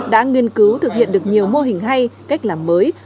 đã nghiên cứu thực hiện được nhiều mô hình hay cách làm mới